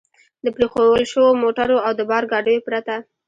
د پرېښوول شوو موټرو او د بار ګاډیو پرته.